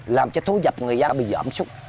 làm cho thú dập người dân bị dỡm súc